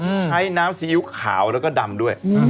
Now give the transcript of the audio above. ใช้น้ำซีอิ๊วขาวแล้วก็ดำด้วย